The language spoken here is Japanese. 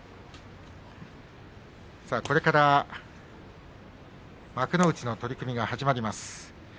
さあ、これから幕内の取組が始まります。